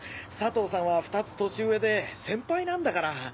佐藤さんは２つ年上で先輩なんだから。